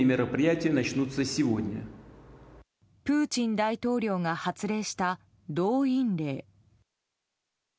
プーチン大統領が発令した動員令。